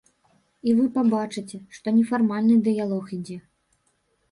І вы пабачыце, што нефармальны дыялог ідзе.